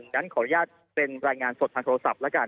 งั้นขออนุญาตเป็นรายงานสดทางโทรศัพท์แล้วกัน